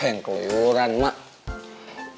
ngapain keloyoran mah